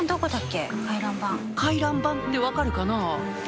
回覧板って分かるかな？